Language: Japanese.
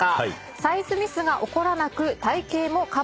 サイズミスが起こらなく体形もカバーできる。